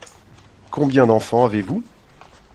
Combien d’enfants avez-vous ?